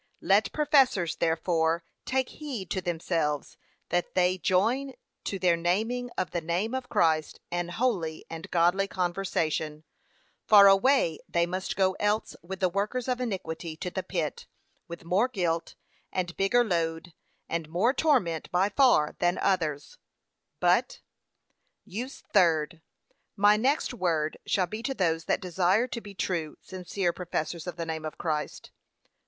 Let professors, therefore, take heed to themselves, that they join to their naming of the name of Christ an holy and godly conversation; for away they must go else with the workers of iniquity to the pit, with more guilt, and bigger load, and more torment by far than others, But, USE THIRD. My next word shall be to those that desire to be true, sincere professors of the name of Christ.